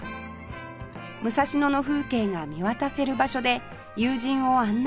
武蔵野の風景が見渡せる場所で友人を案内していたそうです